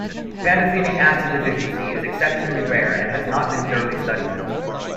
Pantothenic acid deficiency is exceptionally rare and has not been thoroughly studied.